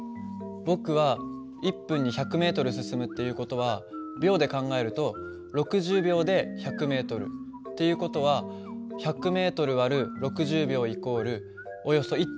僕は１分に１００ｍ進むっていう事は秒で考えると６０秒で１００ｍ。っていう事は１００ｍ÷６０秒＝およそ１．７。